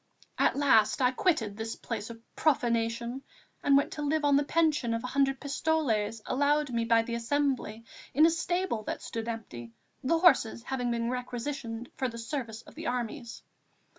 At last I quitted this place of profanation and went to live on the pension of a hundred pistoles allowed me by the Assembly in a stable that stood empty, the horses having been requisitioned for the service of the armies.